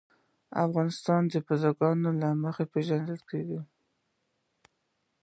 افغانستان د بزګان له مخې پېژندل کېږي.